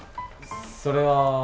それは。